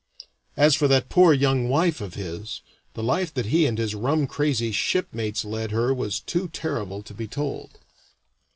As for that poor young wife of his, the life that he and his rum crazy shipmates led her was too terrible to be told.